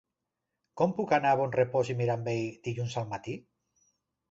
Com puc anar a Bonrepòs i Mirambell dilluns al matí?